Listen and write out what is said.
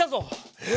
えっ！？